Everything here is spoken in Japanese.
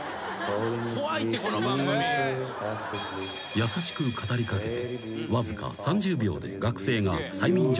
［優しく語りかけてわずか３０秒で学生が催眠状態に］